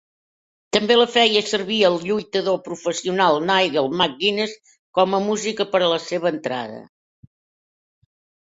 També la feia servir el lluitador professional Nigel McGuinness com a música per a la seva entrada.